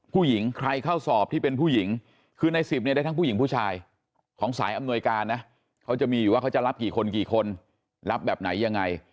ผู้หญิงใครเข้าสอบที่เป็นผู้หญิงคือใน๑๐เนี่ยได้ทั้งผู้หญิงผู้ชายของสายอำนวยการนะเขาจะมีอยู่ว่าเขาจะรับกี่คนกี่คนรับแบบไหนยังไง